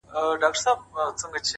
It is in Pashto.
ککرۍ يې دي رېبلي دې بدرنگو ککریو’